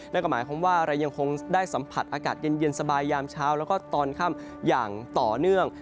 นั่นก็หมายความว่าเรายังคงได้สัมผัสอากาศเย็นสบายยามเช้าแล้วก็ตอนค่ำอย่างต่อเนื่อง